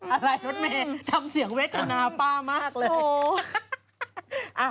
อะไรรถเมย์ทำเสียงเวชนาป้ามากเลย